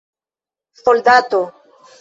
soldato